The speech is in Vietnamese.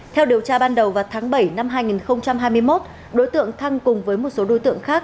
theo điều tra ban đầu vào tháng bảy năm hai nghìn hai mươi một đối tượng thăng cùng với một số đối tượng khác